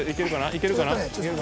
いけるかな？